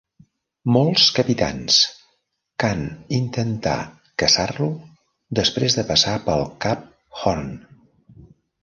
Molts capitans can intentar caçar-lo després de passar pel cap Horn.